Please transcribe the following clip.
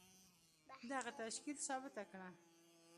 دغه تشکيل ثابته کړه.